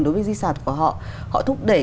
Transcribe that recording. đối với di sản của họ họ thúc đẩy